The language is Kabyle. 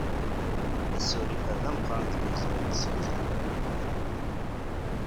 Asurif-a d ameqqran deg umezruy n tsengama.